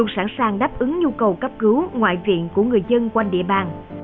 sẵn sàng đáp ứng nhu cầu cấp cứu ngoại viện của người dân quanh địa bàn